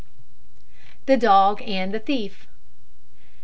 THE DOG AND THE THIEF.